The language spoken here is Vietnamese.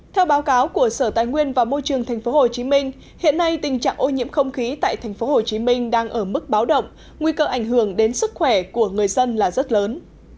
theo báo cáo của sở tài nguyên và môi trường tp hcm hiện nay tình trạng ô nhiễm không khí tại tp hcm đang ở mức báo động nguy cơ ảnh hưởng đến sức khỏe của người dân là rất lớn